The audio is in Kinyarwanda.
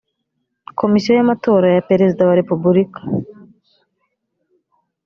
komisiyo y’amatora ya perezida wa repubulika